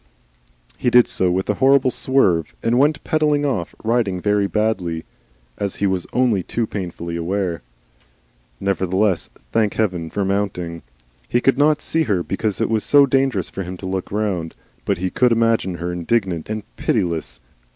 He did so with a horrible swerve, and went pedalling off, riding very badly, as he was only too painfully aware. Nevertheless, thank Heaven for the mounting! He could not see her because it was so dangerous for him to look round, but he could imagine her indignant and pitiless.